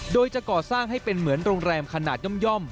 โดยจะก่อสร้างให้เป็นเหมือนโรงแรมขนาดย่อม